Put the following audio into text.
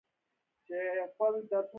دوی ورته وویل هغه د خپل خسر کره ولاړ.